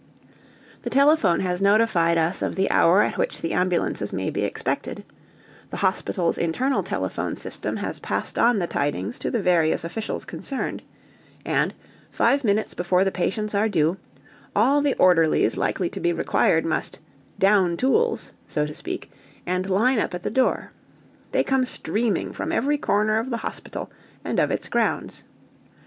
The telephone has notified us of the hour at which the ambulances may be expected; the hospital's internal telephone system has passed on the tidings to the various officials concerned; and, five minutes before the patients are due, all the orderlies likely to be required must "down tools," so to speak, and line up at the door. They come streaming from every corner of the hospital and of its grounds.